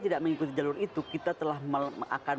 tidak mengikuti jalur itu kita telah akan